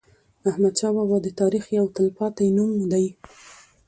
احمدشاه بابا د تاریخ یو تل پاتی نوم دی.